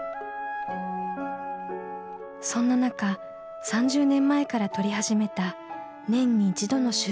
そんな中３０年前から撮り始めた年に一度の集合写真。